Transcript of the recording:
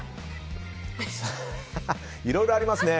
いろいろありますね。